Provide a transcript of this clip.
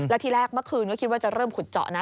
แล้วทีแรกเมื่อคืนก็คิดว่าจะเริ่มขุดเจาะนะ